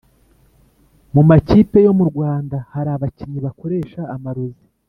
Mumakipe yo murwanda harabakinnyi bakoresha amarozi